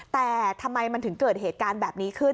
แต่ทำไมมันถึงเกิดเหตุการณ์แบบนี้ขึ้น